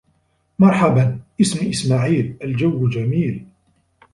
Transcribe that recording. مرحبا إسمي إسماعيل الجو جميل